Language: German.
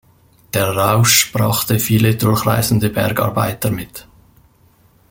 Der Rausch brachte viele Durchreisende Bergarbeiter mit.